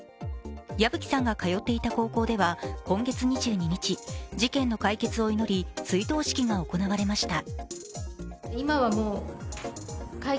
矢吹さんが通っていた高校では今月２２日、事件の解決を祈り追悼式が行われました。